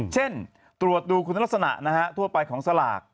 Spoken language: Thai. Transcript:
เช่นตรวจดูคุณลักษณะทั่วไปของสลาก